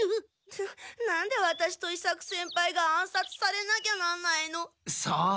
なっなんでワタシと伊作先輩が暗殺されなきゃなんないの？さあ。